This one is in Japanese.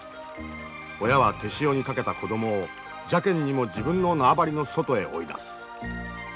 親は手塩にかけた子供を邪けんにも自分の縄張りの外へ追い出す。